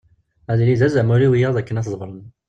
Ad yili d azamul i wiyaḍ akken ad t-ḍefren.